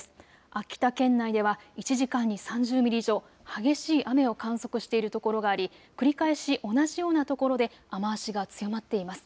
秋田県内では１時間に３０ミリ以上、激しい雨を観測しているところがあり繰り返し同じようなところで雨足が強まっています。